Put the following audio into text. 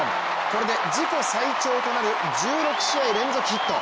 これで自己最長となる１６試合連続ヒット。